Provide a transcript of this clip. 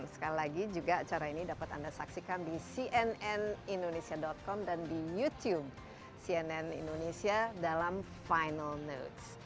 sekali lagi juga acara ini dapat anda saksikan di cnnindonesia com dan di youtube cnn indonesia dalam final notes